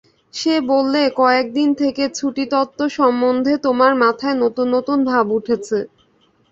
সে বললে, কয়দিন থেকে ছুটিতত্ত্ব সম্বন্ধে তোমার মাথায় নতুন নতুন ভাব উঠছে।